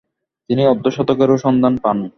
তিনি অর্ধ-শতকেরও সন্ধান পান।